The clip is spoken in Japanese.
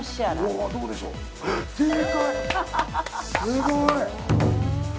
すごい！